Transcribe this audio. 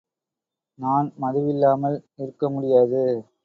நான் மதுவில்லாமல் இருக்கமுடியாது!